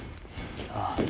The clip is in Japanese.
ああ。